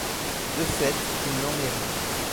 De fait, il n'en est rien.